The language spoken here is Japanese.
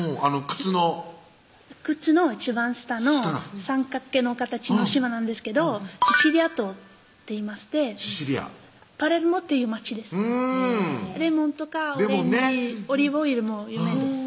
靴の靴の一番下の三角形の形の島なんですけどシチリア島っていいましてパレルモっていう町ですうんレモンとかオレンジ・オリーブオイルも有名です